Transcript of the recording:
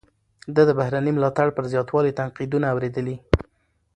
ده د بهرني ملاتړ پر زیاتوالي تنقیدونه اوریدلي.